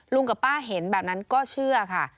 กับป้าเห็นแบบนั้นก็เชื่อค่ะ